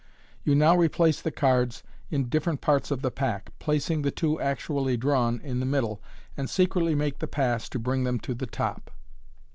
You now replace the cards in dif ferent parts of the pack, placing the two actually drawn in the middle, and secretly make the pass to bring them to the top.